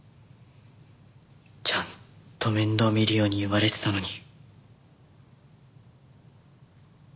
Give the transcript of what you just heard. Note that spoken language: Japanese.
ちゃんと面倒見るように言われてたのに。